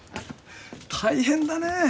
大変だねぇ。